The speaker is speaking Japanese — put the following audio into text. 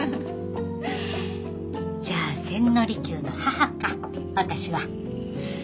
じゃあ千利休の母か私は。